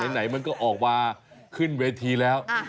ไหนมันก็ออกมาขึ้นเวทีแล้ว